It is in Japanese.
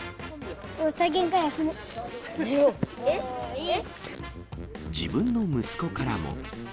俺、自分の息子からも。